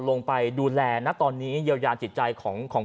ก็ได้ไปดูแลประสานกับนางคิวเตี้ยแย่บทของเค้า